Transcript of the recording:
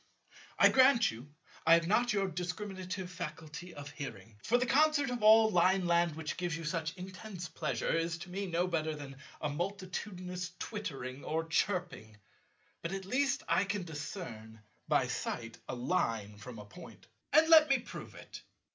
I grant you I have not your discriminative faculty of hearing; for the concert of all Lineland which gives you such intense pleasure, is to me no better than a multitudinous twittering or chirping. But at least I can discern, by sight, a Line from a Point. And let me prove it.